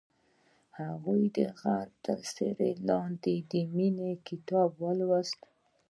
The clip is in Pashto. هغې د غروب تر سیوري لاندې د مینې کتاب ولوست.